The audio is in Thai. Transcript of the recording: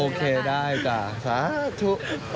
โอเคได้จ้ะสาธุ